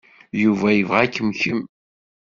Yuba yebɣa-kem kemm.